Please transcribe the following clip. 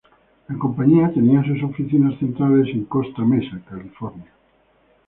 La compañía tenía sus oficinas centrales en Costa Mesa, California.